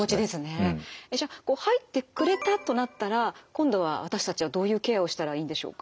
じゃあ入ってくれたとなったら今度は私たちはどういうケアをしたらいいんでしょうか？